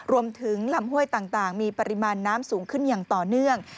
ลำห้วยต่างมีปริมาณน้ำสูงขึ้นอย่างต่อเนื่อง